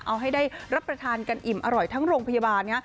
เอาให้ได้รับประทานกันอิ่มอร่อยทั้งโรงพยาบาล